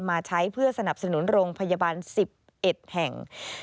มาใช้เพื่อสนับสนุนโรงพยาบาล๑๑แห่ง